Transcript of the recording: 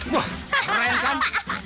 wah keren kan